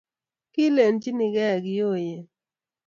kilenchinekee kioiyen